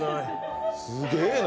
すげえな。